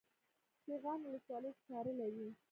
سیغان ولسوالۍ سکاره لري؟